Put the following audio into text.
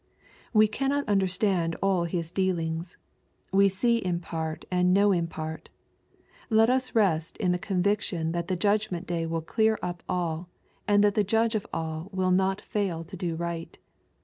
We cannot understand all His dealings. We see in part and know in part. Let us rest in the con viction that the judgment day will clear up all, and that the Judge of all will not fail to do right.